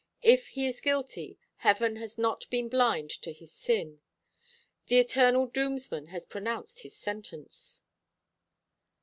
If he is guilty, Heaven has not been blind to his sin. The Eternal Doomsman has pronounced his sentence."